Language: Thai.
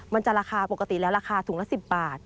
มันจะราคาปกติแล้วราคาถุงละ๑๐บาท